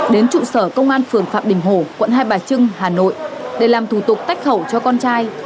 đến trụ sở công an phường phạm đình hổ quận hai bà trưng hà nội để làm thủ tục tách khẩu cho con trai